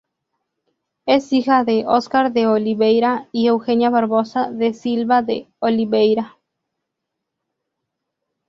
Es hija de Oscar de Oliveira y Eugenia Barbosa de Silva de Oliveira.